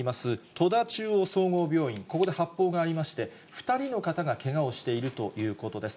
戸田中央総合病院、ここで発砲がありまして、２人の方がけがをしているということです。